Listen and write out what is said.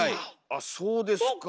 あっそうですか。